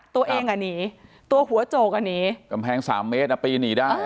ตัวเองอ่ะหนีตัวหัวโจกอ่ะหนีกำแพงสามเมตรอ่ะปีนหนีได้